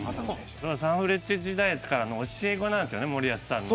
サンフレッチェ時代からの教え子なんですよ、森保さんの。